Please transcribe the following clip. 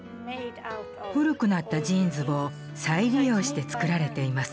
古くなったジーンズを再利用して作られています。